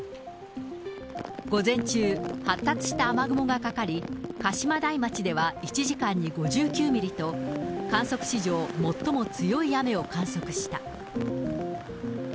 午前中、発達した雨雲がかかり、鹿島台町では１時間に５９ミリと、観測史上、最も強い雨を観測した。